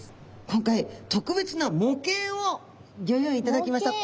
今回特別な模型をギョ用意いただきました。